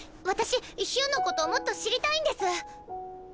私ヒュンの事もっと知りたいんです。